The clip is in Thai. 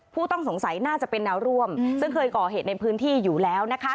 ผู้ต้องสงสัยน่าจะเป็นแนวร่วมซึ่งเคยก่อเหตุในพื้นที่อยู่แล้ว